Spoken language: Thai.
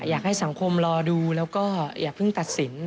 อยากให้สังคมรอดูแล้วก็อย่าเพิ่งตัดสิน